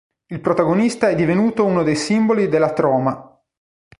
Il protagonista è divenuto uno dei simboli della Troma.